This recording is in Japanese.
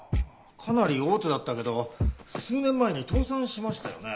かなり大手だったけど数年前に倒産しましたよね？